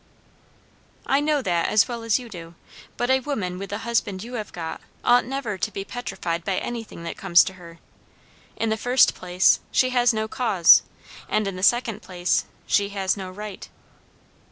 "I know that, as well as you do. But a woman with the husband you have got, ought never to be petrified by anything that comes to her. In the first place, she has no cause; and in the second place, she has no right."